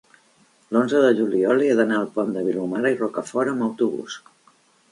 l'onze de juliol he d'anar al Pont de Vilomara i Rocafort amb autobús.